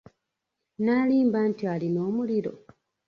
N'alimba nti alina omuliro.